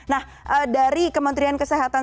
nah dari kementerian kesehatan